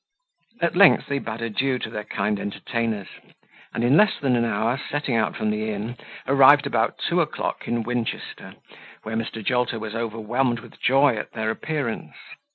At length they bade adieu to their kind entertainers; and in less than an hour setting out from the inn, arrived about two o'clock in Winchester, where Mr. Jolter was overwhelmed with joy at their appearance.